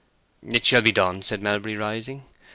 "It shall be done," said Melbury, rising.